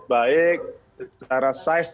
baik secara size